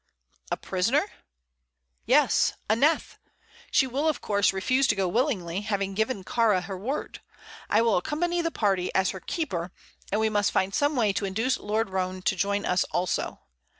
"A prisoner?" "Yes; Aneth. She will, of course, refuse to go willingly, having given Kāra her word. I will accompany the party as her keeper, and we must find some way to induce Lord Roane to join us also.